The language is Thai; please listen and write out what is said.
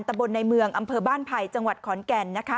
บนในเมืองอำเภอบ้านไผ่จังหวัดขอนแก่นนะคะ